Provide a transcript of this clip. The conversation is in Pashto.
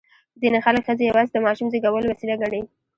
ځینې خلک ښځې یوازې د ماشوم زېږولو وسیله ګڼي.